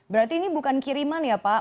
berarti ini bukan kiriman ya pak